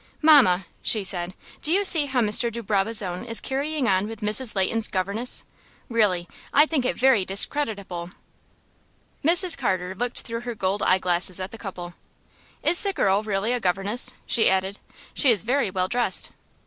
"Mamma," she said, "do you see how Mr. de Barbazon is carrying on with Mrs. Leighton's governess? Really, I think it very discreditable." Mrs. Carter looked through her gold eye glasses at the couple. "Is the girl really a governess?" she added. "She is very well dressed."